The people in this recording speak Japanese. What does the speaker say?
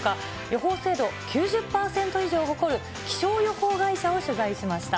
予報精度９０％以上を誇る気象予報会社を取材しました。